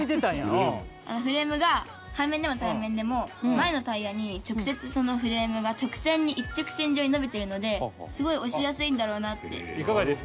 フレームが背面でも対面でも前のタイヤに直接そのフレームが直線に一直線上に伸びているのですごい押しやすいんだろうなって。